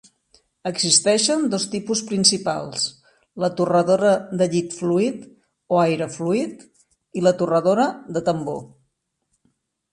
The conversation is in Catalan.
Existeixen dos tipus principals: la torradora de llit fluid o aire fluid i la torradora de tambor.